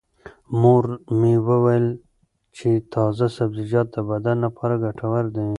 مور مې وویل چې تازه سبزیجات د بدن لپاره ګټور دي.